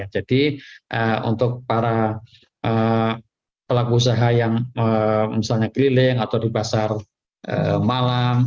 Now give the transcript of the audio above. jadi untuk para pelaku usaha yang misalnya keliling atau di pasar malam